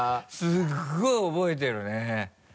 すごい覚えてるね。